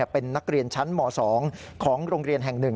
เป็นนักเรียนชั้นม๒ของโรงเรียนแห่ง๑